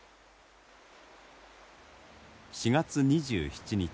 ４月２７日